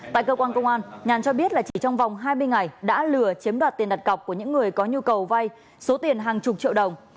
tại cơ quan công an nhàn cho biết là chỉ trong vòng hai mươi ngày đã lừa chiếm đoạt tiền đặt cọc của những người có nhu cầu vay số tiền hàng chục triệu đồng